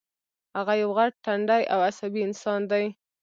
هغه یو غټ ټنډی او عصبي انسان دی